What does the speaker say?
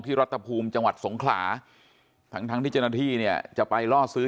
ที่รถภูมิจังหวัดสงคราทั้งที่เจ้าน้าที่เนี่ยจะไปรอซื้อ